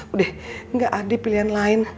udah gak ada pilihan lain